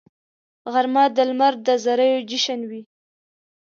غرمه د لمر د زریو جشن وي